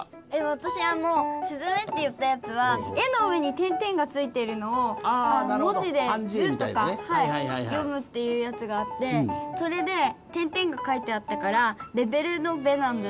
わたしスズメって言ったやつは絵の上に「゛」がついているのを文字で「ズ」とか読むっていうやつがあってそれで「゛」が書いてあったからレベルの「ベ」なんじゃないかなって。